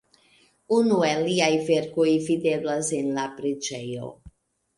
Unu el liaj verkoj videblas en la preĝejo.